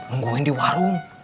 nungguin di warung